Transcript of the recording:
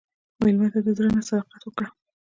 مېلمه ته د زړه نه صداقت ورکړه.